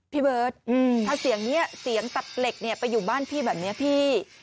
พี่เบิร์ตถ้าเสียงนี้เสียงตัดเหล็กเนี่ยไปอยู่บ้านพี่แบบนี้พี่